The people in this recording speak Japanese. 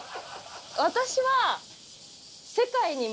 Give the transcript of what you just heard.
私は。